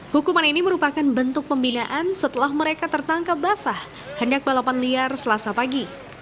hukuman ini merupakan bentuk pembinaan setelah mereka tertangkap basah hendak balapan liar selasa pagi